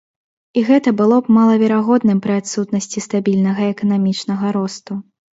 І гэта было б малаверагодным пры адсутнасці стабільнага эканамічнага росту.